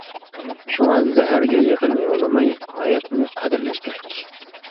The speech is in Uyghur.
شۇڭا زەھەرگە يېقىن يولىماي، ھاياتنى قەدىرلەش كېرەك.